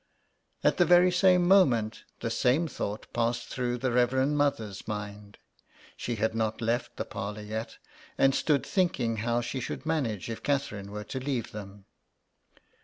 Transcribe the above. At the very same moment the same thoughts passed through the Reverend Mother's mind. She had not left the parlour yet, and stood thinking how she should manage if Catherine were to leave them.